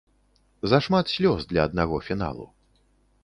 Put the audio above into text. Зашмат слёз для аднаго фіналу.